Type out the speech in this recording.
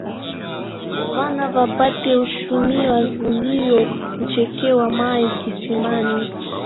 Vana va Pate huchumia vulio kuchekea mai kisimani.